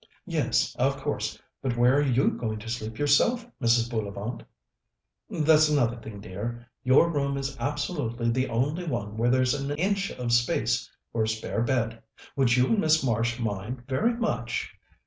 "Yes, of course. But where are you going to sleep yourself, Mrs. Bullivant?" "That's another thing, dear. Your room is absolutely the only one where there's an inch of space for a spare bed. Would you and Miss Marsh mind very much...?"